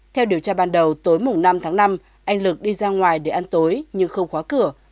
theo điều tra ban đầu tối năm tháng năm anh lực đi ra ngoài để ăn tối nhưng không khóa cửa